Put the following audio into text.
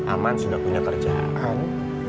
aman sudah punya kerjaan